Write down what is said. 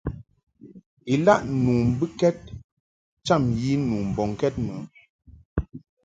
Ilaʼ nu mbɨkɛd cham yi nu mbɔŋkɛd mɨ.